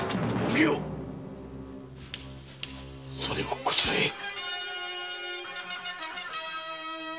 それをこちらへ。